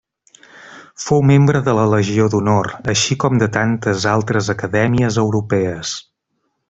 Fou membre de la Legió d'Honor així com de tantes altres acadèmies europees.